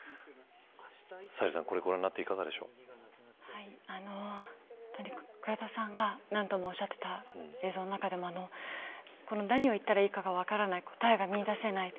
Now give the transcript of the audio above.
サヘルさん、これ倉田さんが何度もおっしゃっていた映像の中でも何を言ったらいいか分からない答えが見出せない。